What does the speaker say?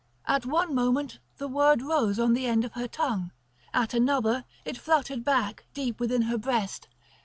At one moment the word rose on the end of her tongue, at another it fluttered back deep within her breast.